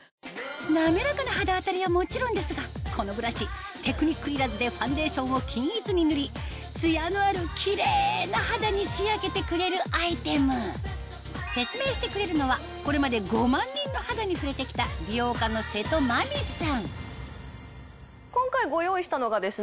滑らかな肌当たりはもちろんですがこのブラシテクニックいらずでファンデーションを均一に塗りツヤのあるキレイな肌に仕上げてくれるアイテム説明してくれるのはこれまで５万人の肌に触れてきた今回ご用意したのがですね